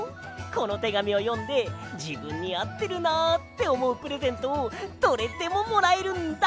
このてがみをよんでじぶんにあってるなっておもうプレゼントをどれでももらえるんだ！